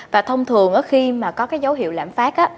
và thông thường khi mà có cái dấu hiệu lạm phát